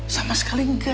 sama sekali enggak